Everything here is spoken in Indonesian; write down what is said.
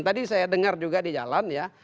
tadi saya dengar juga di jalan ya